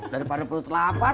daripada perlu terlapar